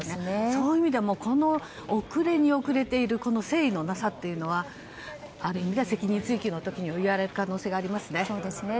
そういう意味ではこの遅れに遅れている誠意のなさというのはある意味、責任追及の時に言われる可能性がありますね。